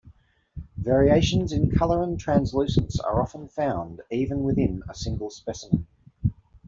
Variations in color and translucence are often found even within a single specimen.